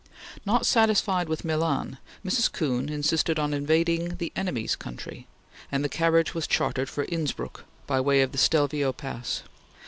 Not satisfied with Milan, Mrs. Kuhn insisted on invading the enemy's country, and the carriage was chartered for Innsbruck by way of the Stelvio Pass.